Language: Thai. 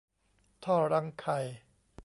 ท่อรังไข่